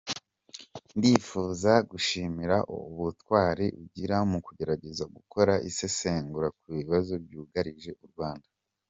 Ndifuza gushimira ubutwari ugira mu kugerageza gukora isesengura ku bibazo by’ugarije uRwanda.